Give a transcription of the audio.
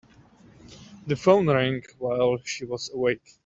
The phone rang while she was awake.